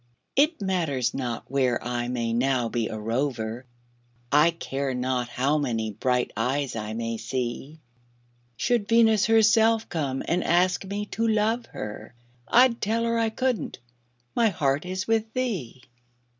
It matters not where I may now be a rover, I care not how many bright eyes I may see; Should Venus herself come and ask me to love her, I'd tell her I couldn't my heart is with thee.